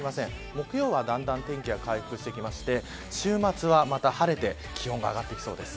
木曜はだんだん天気が回復してきて週末は、また晴れて気温が上がってきそうです。